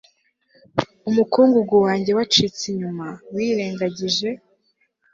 umukungugu wanjye wacitse inyuma, wirengagije